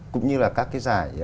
cũng như là các cái giải